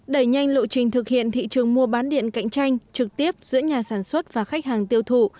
đẩy nhanh lộ trình thực hiện thị trường mua bán điện cạnh tranh trực tiếp giữa nhà sản xuất và khách hàng tiêu thụ